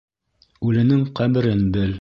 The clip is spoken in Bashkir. Үленең ҡәберен бел.